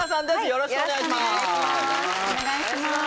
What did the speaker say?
よろしくお願いします